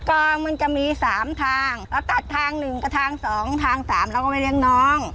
กรองมันจะมี๓ทางแล้วตัดทาง๑ก็ทาง๒ทาง๓แล้วก็ไปเล็งน้อง